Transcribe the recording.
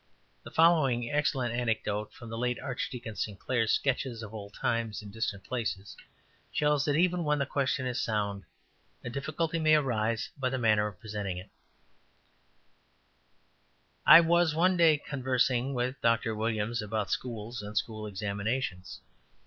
The following excellent anecdote from the late Archdeacon Sinclair's Sketches of Old Times and Distant Places (1875) shows that even when the question is sound a difficulty may arise by the manner of presenting it: ``I was one day conversing with Dr. Williams about schools and school examinations.